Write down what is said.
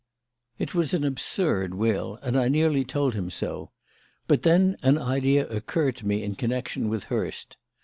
"It was an absurd will, and I nearly told him so; but then an idea occurred to me in connection with Hurst.